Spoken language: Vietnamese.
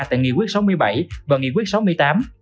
tại nghị quyết sáu mươi bảy và nghị quyết sáu mươi tám